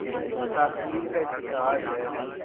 تاخیر کا شکار ہے۔